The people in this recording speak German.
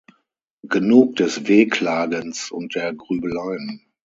Genug des Wehklagens und der Grübeleien.